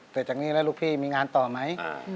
แต่จากนี้แล้วลูกพี่มีงานต่อไหม